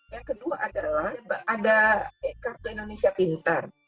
yang kedua adalah ada kartu indonesia pintar